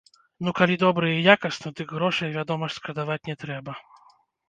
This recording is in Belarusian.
Ну, калі добры і якасны, дык грошай, вядома ж, шкадаваць не трэба.